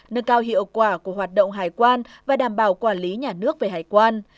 nâng cao hiệu quả của hoạt động hải quan và đảm bảo quản lý nhà nước về hải quan